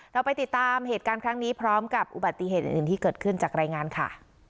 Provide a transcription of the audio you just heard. เราไปติดตามเหตุการณ์ครั้งนี้พร้อมกับอุบัติเหตุอื่นที่เกิดขึ้นจากรายงานค่ะ